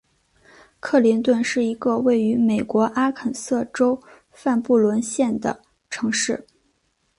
克林顿是一个位于美国阿肯色州范布伦县的城市。